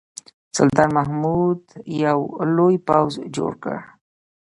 سلطان محمود یو لوی پوځ جوړ کړ.